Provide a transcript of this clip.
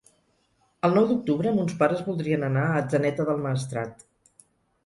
El nou d'octubre mons pares voldrien anar a Atzeneta del Maestrat.